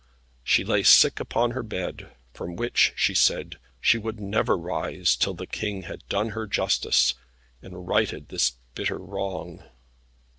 She lay sick upon her bed, from which, she said, she would never rise, till the King had done her justice, and righted this bitter wrong.